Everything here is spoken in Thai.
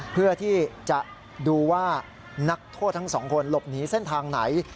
เพื่อที่จะดูว่านักโทษทั้งสองคนหลบหนีเส้นทางไหน